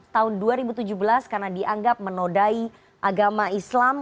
tahun dua ribu tujuh belas karena dianggap menodai agama islam